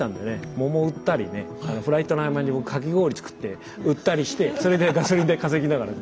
桃売ったりねフライトの合間に僕かき氷作って売ったりしてそれでガソリン代稼ぎながら。